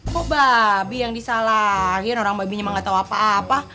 kok babi yang disalahin orang babinya emang gatau apa apa